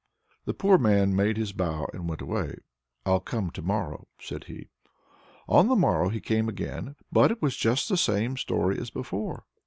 The poor man made his bow and went away. "I'll come to morrow," said he. On the morrow he came again, but it was just the same story as before.